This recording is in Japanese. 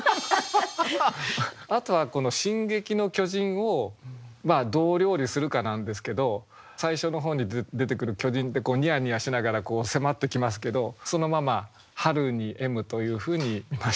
あとはこの「進撃の巨人」をどう料理するかなんですけど最初のほうに出てくる巨人ってニヤニヤしながら迫ってきますけどそのまま「春に笑む」というふうに詠みました。